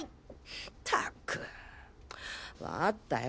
ったくわあったよ！